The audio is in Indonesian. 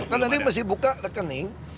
kan nanti mesti buka rekening